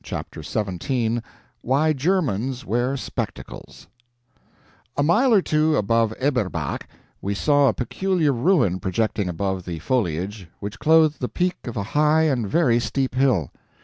CHAPTER XVII [Why Germans Wear Spectacles] A mile or two above Eberbach we saw a peculiar ruin projecting above the foliage which clothed the peak of a high and very steep hill.